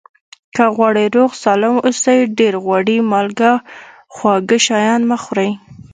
که غواړئ روغ سالم اوسئ ډېر غوړي مالګه خواږه شیان مه خوری